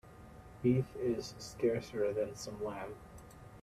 Beef is scarcer than some lamb.